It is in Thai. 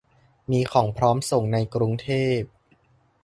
มีของพร้อมส่งในกรุงเทพ